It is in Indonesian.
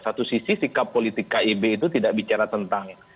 satu sisi sikap politik kib itu tidak bicara tentang